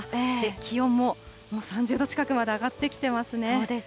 気温ももう３０度近くまで上がってきてますね。